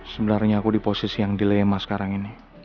sebenarnya aku di posisi yang dilema sekarang ini